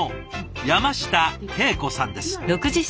山下恵子さんです。